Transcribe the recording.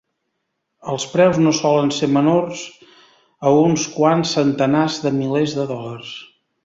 Els preus no solen ser menors a uns quants centenars de milers de dòlars.